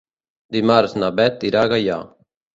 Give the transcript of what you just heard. Dimarts na Beth irà a Gaià.